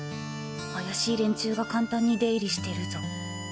怪しい連中が簡単に出入りしてるぞ。